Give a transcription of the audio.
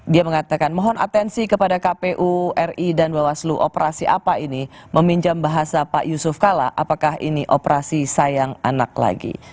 dia mengatakan mohon atensi kepada kpu ri dan bawaslu operasi apa ini meminjam bahasa pak yusuf kala apakah ini operasi sayang anak lagi